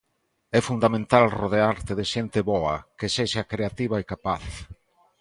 É fundamental rodearte de xente boa, que sexa creativa e capaz.